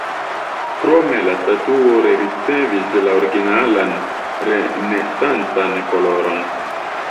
Krome la statuo rericevis la originalan renesancan koloron.